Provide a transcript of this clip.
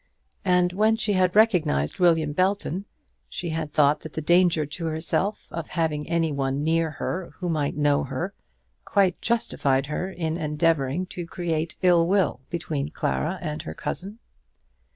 And when she had recognised William Belton, she had thought that the danger to herself of having any one near her who might know her, quite justified her in endeavouring to create ill will between Clara and her cousin.